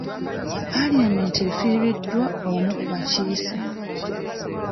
Palamenti efiiriddwa omu ku bakiise.